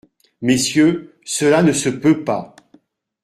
Messieurs, cela ne se peut pas.